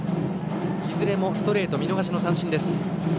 いずれもストレートを見逃し三振です。